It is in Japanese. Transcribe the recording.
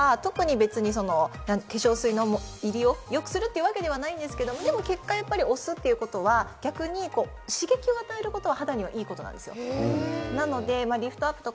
押すことが化粧水のノリをよくするということではないんですが、結果、やっぱり押すということは逆に刺激を与えることは肌にはいいことなんですよ。